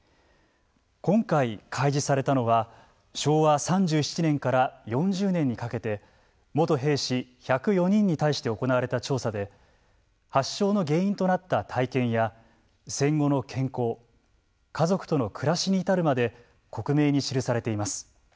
今回、開示されたのは昭和３７年から４０年にかけて元兵士１０４人に対して行われた調査で発症の原因となった体験や戦後の健康家族との暮らしに至るまで克明に記されています。